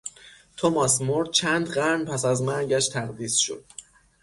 توماس مور چند قرن پس از مرگش تقدیس شد.